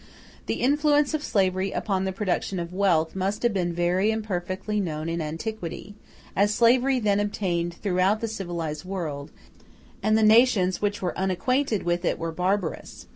The influence of slavery upon the production of wealth must have been very imperfectly known in antiquity, as slavery then obtained throughout the civilized world; and the nations which were unacquainted with it were barbarous.